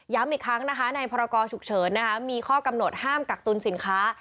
ย้ำอีกครั้งนะคะในพรากอฉุกเฉินนะครับมีข้อกำหนดห้ามกักตุนสินค้า